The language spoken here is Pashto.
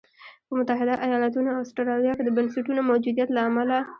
په متحده ایالتونو او اسټرالیا کې د بنسټونو موجودیت له امله.